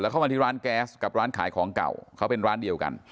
เข้ามาที่ร้านแก๊สกับร้านขายของเก่าเขาเป็นร้านเดียวกัน